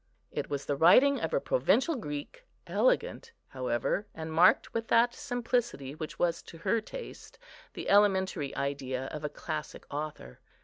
It was the writing of a provincial Greek; elegant, however, and marked with that simplicity which was to her taste the elementary idea of a classic author.